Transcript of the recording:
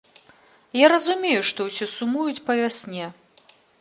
Я разумею, што ўсе сумуюць па вясне.